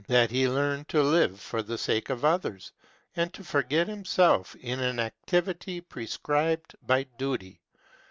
that he learn to live for the sake of others, and to forget him self in an activity prescribed by duty.